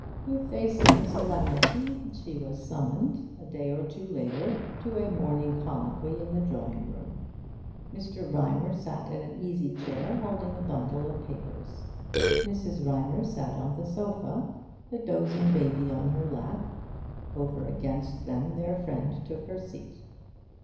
With a certain solemnity she was summoned, a day or two later, to a morning colloquy in the drawing room. Mr. Rymer sat in an easy chair, holding a bundle of papers; Mrs. Rymer sat on the sofa, the dozing baby on her lap; over against them their friend took her seat.